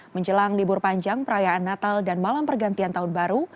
menjelang libur panjang perayaan natal dan malam pergantian tahun baru